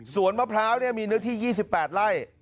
ส่วนมะพร้าวมีเนื้อที่๒๘ไร่